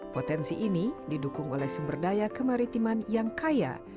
potensi ini didukung oleh sumber daya kemaritiman yang kaya